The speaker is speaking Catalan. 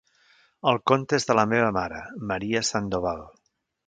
El compte és de la meva mare, Maria Sandoval.